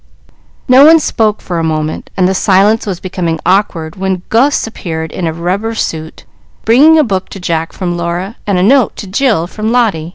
No one spoke for a moment, and the silence was becoming awkward when Gus appeared in a rubber suit, bringing a book to Jack from Laura and a note to Jill from Lotty.